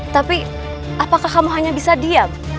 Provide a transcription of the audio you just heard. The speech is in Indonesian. tapi apakah kamu hanya bisa diam